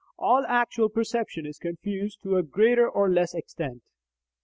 All actual perception is confused to a greater or less extent.